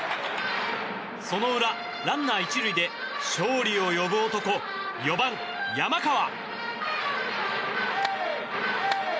その裏、ランナー１塁で勝利を呼ぶ男４番、山川！